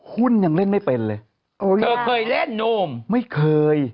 หุ้นยังเล่นไม่เป็นเลย